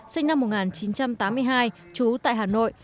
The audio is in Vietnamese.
sinh năm một nghìn chín trăm tám mươi hai trú tại hà nội